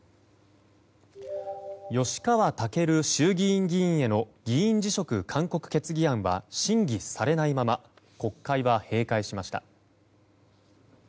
吉川赳衆議院議員への議員辞職勧告決議案は審議されないまま国会は閉会しました。